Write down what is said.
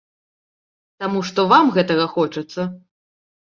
Таму што вам гэтага хочацца?